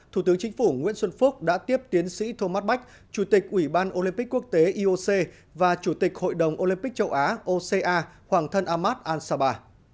thủ tướng chính phủ nguyễn xuân phúc đã tiếp tiến sĩ thomas bach chủ tịch ủy ban olympic quốc tế ioc và chủ tịch hội đồng olympic châu á oca hoàng thân ahmad ansaba